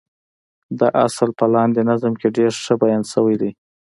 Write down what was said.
دا اصل په لاندې نظم کې ډېر ښه بيان شوی دی.